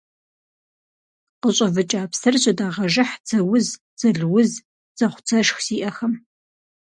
Къыщӏэвыкӏа псыр жьэдагъэжыхь дзэуз, дзэлуз, дзэхъу-дзэшх зиӏэхэм.